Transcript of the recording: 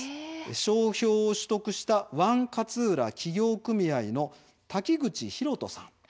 商標を取得したＯＮＥ勝浦企業組合の滝口裕都さん